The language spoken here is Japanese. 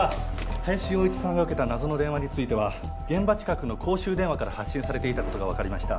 林洋一さんが受けた謎の電話については現場近くの公衆電話から発信されていたことが分かりました。